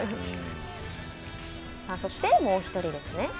そして、もう１人ですね。